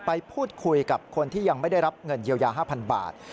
ไปพูดคุยกับคนที่ยังไม่ได้รับเงินเยียวยา๕๐๐บาท